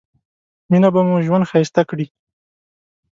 مينه به مو ژوند ښايسته کړي